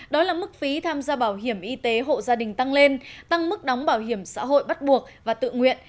đó là mức phí tham gia bảo hiểm y tế hộ gia đình tăng lên tăng mức đóng bảo hiểm xã hội bắt buộc và tự nguyện